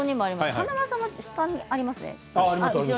華丸さんは下にありますね。